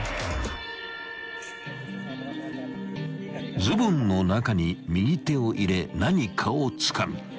［ズボンの中に右手を入れ何かをつかみ］